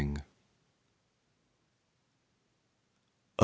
Oh!